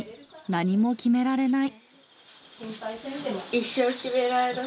何も決められない。